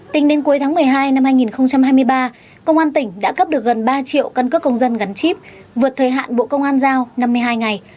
tính đến cuối tháng một mươi hai năm hai nghìn hai mươi ba công an tỉnh đã cấp được gần ba triệu căn cước công dân gắn chip vượt thời hạn bộ công an giao năm mươi hai ngày